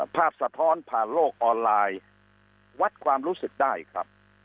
สะท้อนผ่านโลกออนไลน์วัดความรู้สึกได้ครับ